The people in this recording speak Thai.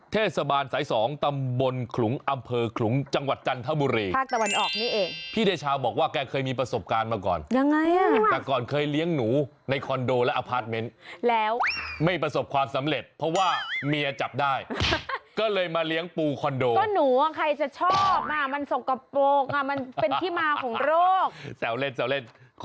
ก็นู่ใครจะชอบมันศกปลูกเป็นที่มาของโรค